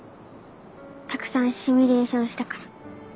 たくさんシミュレーションしたから。